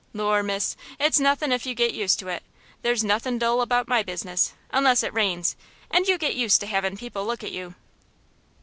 "Lor', miss, it's nothin' if you get used to it. There's nothin' dull about my business, unless it rains, and you get used to havin' people look at you."